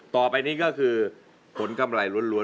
ต่อไปนี้ก็คือผลกำไรล้วน